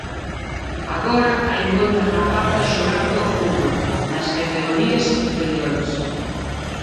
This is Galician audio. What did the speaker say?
Agora hai moitas rapazas xogando ao fútbol nas categorías inferiores.